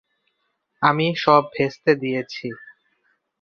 আমি সব ভেস্তে দিয়েছি।